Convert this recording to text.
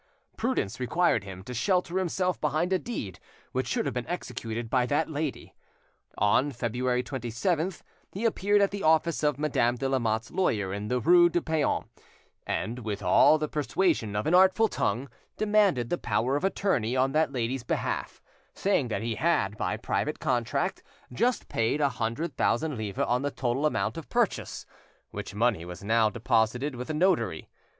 Prudence required him to shelter himself behind a deed which should have been executed by that lady. On February 27th he appeared at the office of Madame de Lamotte's lawyer in the rue du Paon, and, with all the persuasion of an artful tongue, demanded the power of attorney on that lady's behalf, saying that he had, by private contract, just paid a hundred thousand livres on the total amount of purchase, which money was now deposited with a notary.